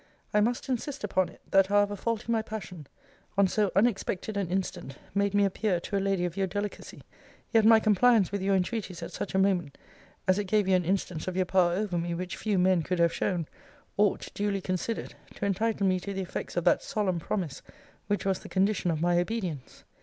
I must insist upon it, that however faulty my passion, on so unexpected an incident, made me appear to a lady of your delicacy, yet my compliance with your entreaties at such a moment [as it gave you an instance of your power over me, which few men could have shown] ought, duly considered, to entitle me to the effects of that solemn promise which was the condition of my obedience.